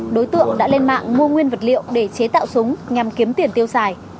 đối tượng đã lên mạng mua nguyên vật liệu để chế tạo súng nhằm kiếm tiền tiêu xài